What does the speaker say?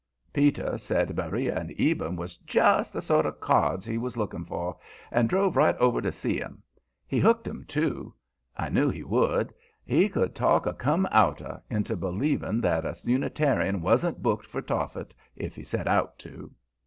Peter said Beriah and Eben was just the sort of "cards" he was looking for and drove right over to see 'em. He hooked 'em, too. I knew he would; he could talk a Come Outer into believing that a Unitarian wasn't booked for Tophet, if he set out to.